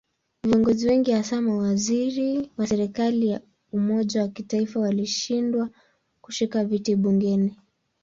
Viongozi wengi hasa mawaziri wa serikali ya umoja wa kitaifa walishindwa kushika viti bungeni.